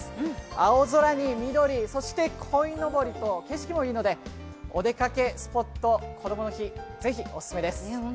青空に緑、そしてこいのぼりと景色もいいのでお出かけスポット、こどもの日ぜひオススメです。